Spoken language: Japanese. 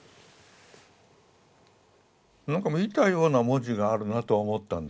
なんか見たような文字があるなとは思ったんです。